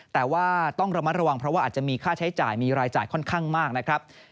แต่ว่าต้องระมัดระวังเพราะว่าอาจจะมีค่าใช้จ่ายมีรายจ่ายค่อนข้างมากนะครับ